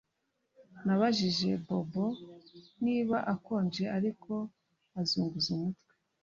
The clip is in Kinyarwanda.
Nabajije Bobo niba akonje ariko azunguza umutwe